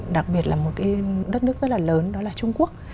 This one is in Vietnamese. đặc biệt là một cái đất nước rất là lớn đó là trung quốc